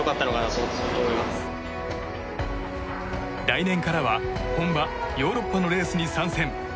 来年からは本場ヨーロッパのレースに参戦。